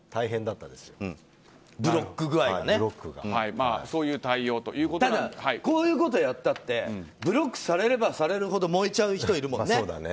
ただこういうことをやったってブロックされればされるほど燃えちゃう人いるもんね。